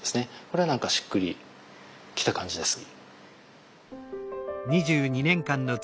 これは何かしっくりきた感じです。